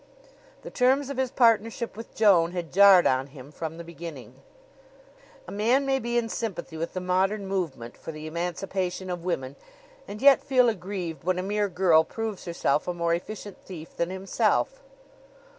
The terms of his partnership with Joan had jarred on him from the beginning. A man may be in sympathy with the modern movement for the emancipation of woman and yet feel aggrieved when a mere girl proves herself a more efficient thief than himself.